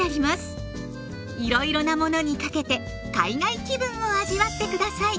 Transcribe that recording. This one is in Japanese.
いろいろなものにかけて海外気分を味わって下さい！